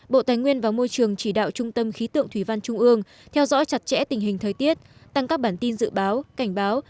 bộ tài nguyên và môi trường chỉ đạo trung tâm khí tượng thủy văn trung ương theo dõi chặt chẽ tình hình thời tiết tăng các bản tin dự báo cảnh báo